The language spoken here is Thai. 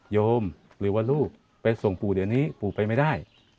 โยมหรือว่าลูกไปส่งปู่เดี๋ยวนี้ปู่ไปไม่ได้